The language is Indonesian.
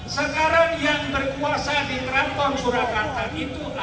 saya ini bukan ini